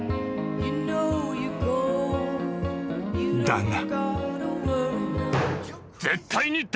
［だが］